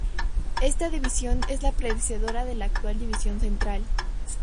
Esta división es la predecesora de la actual División Central.